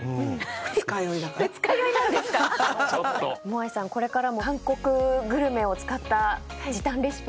もあいさんこれからも韓国グルメを使った。